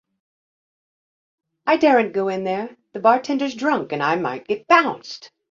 I daren't go in there; the bartender's drunk, and I might get bounced.